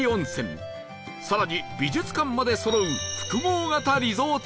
更に美術館までそろう